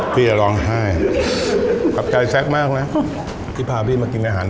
พี่จะร้องไห้กลับใจแซคมากนะที่พาพี่มากินอาหาร